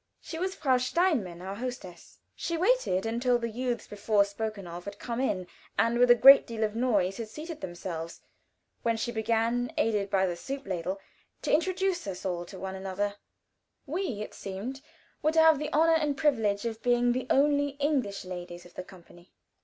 She was Frau Steinmann, our hostess. She waited until the youths before spoken of had come in, and with a great deal of noise had seated themselves, when she began, aided by the soup ladle, to introduce us all to each other. We, it seemed, were to have the honor and privilege of being the only English ladies of the company.